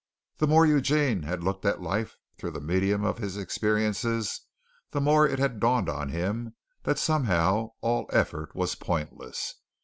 The more Eugene had looked at life through the medium of his experiences, the more it had dawned on him that somehow all effort was pointless.